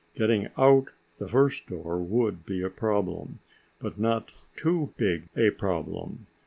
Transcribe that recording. Getting out the first door would be the problem but not too big a problem.